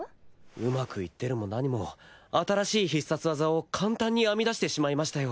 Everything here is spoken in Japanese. うまくいってるも何も新しい必殺技を簡単に編み出してしまいましたよ。